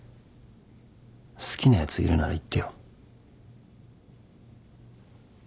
好きなやついるなら言ってよ。